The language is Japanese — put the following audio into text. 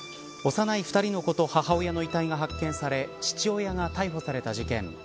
幼い２人の子と母親の遺体が発見され父親が逮捕された事件。